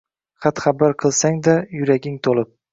Xat-xabar qilsang-da, yuraging to‘lib